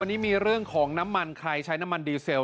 วันนี้มีเรื่องของน้ำมันใครใช้น้ำมันดีเซล